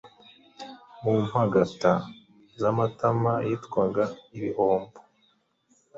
Mu mpagata z’amatama yitwaga ibihombo,